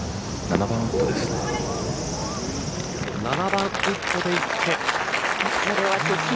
７番ウッドでいって。